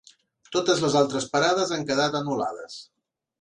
Totes les altres parades han quedat anul·lades.